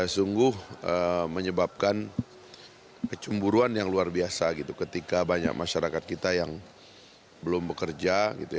sungguh menyebabkan kecemburuan yang luar biasa gitu ketika banyak masyarakat kita yang belum bekerja